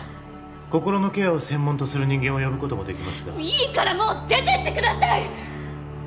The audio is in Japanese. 心のケアを専門とする人間を呼ぶこともできますがいいからもう出てってください！